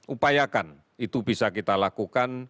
upayakan itu bisa kita lakukan